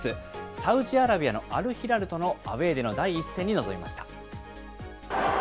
サウジアラビアのアルヒラルとのアウエーでの第１戦に臨みました。